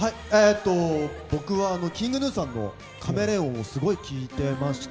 僕はＫｉｎｇＧｎｕさんの「カメレオン」をすごい聴いてました。